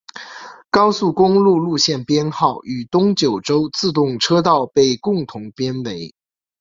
高速公路路线编号与东九州自动车道被共同编为。